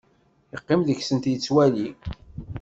Yeqqim deg-sent yettwali.